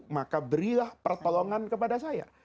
maka berilah pertolongan kepada saya